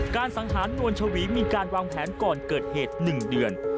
สังหารนวลชวีมีการวางแผนก่อนเกิดเหตุ๑เดือน